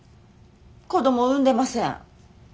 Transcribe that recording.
子供産んでません。